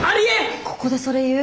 ここでそれ言う？